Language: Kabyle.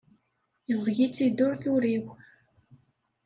Iẓẓeg-itt-id ur turiw.